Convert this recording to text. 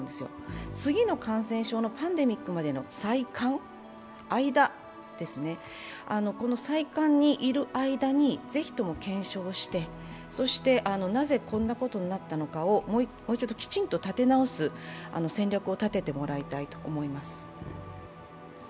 次の感染症のパンデミックまでの災間、この災間にいる間にぜひとも検証してそしてなぜこんなことになったのかをもうちょっときちんと立て直す戦略を立ててもらいたいと思います。